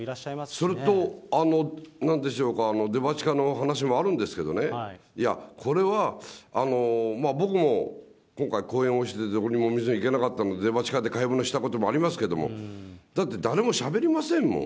それと、なんでしょうか、デパ地下の話もあるんですけどね、いや、これは僕も今回、公演をしてて、どこにもお店にも行けなかったので、デパ地下で買い物をしたこともありますけれども、だって、誰もしゃべりませんもん。